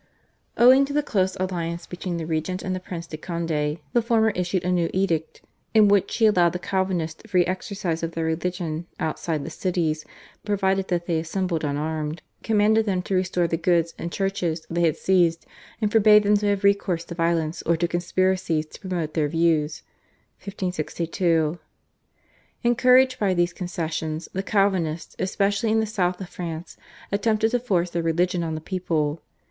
Owing to the close alliance between the regent and the Prince de Conde the former issued a new edict, in which she allowed the Calvinists free exercise of their religion outside the cities provided that they assembled unarmed, commanded them to restore the goods and churches they had seized, and forbade them to have recourse to violence or to conspiracies to promote their views (1562). Encouraged by these concessions, the Calvinists especially in the South of France attempted to force their religion on the people.